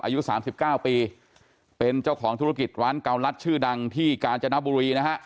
อายุ๓๙ปีเป็นเจ้าของธุรกิจร้านเกาลัดชื่อดังที่กาญจนบุรีนะฮะ